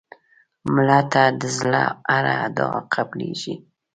مړه ته د زړه هره دعا قبلیږي